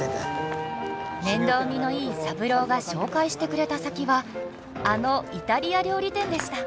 面倒見のいい三郎が紹介してくれた先はあのイタリア料理店でした！